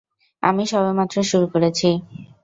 আমি সবেমাত্র শুরু করেছি।